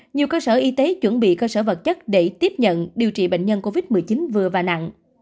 nhiều cơ sở y tế chuẩn bị cơ sở vật chất để tiếp nhận điều trị bệnh nhân covid một mươi chín vừa và nặng